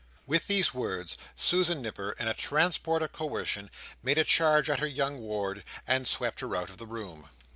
With these words, Susan Nipper, in a transport of coercion, made a charge at her young ward, and swept her out of the room.